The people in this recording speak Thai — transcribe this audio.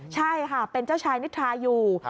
ใช่ค่ะเป็นเจ้าชายนิทราอยู่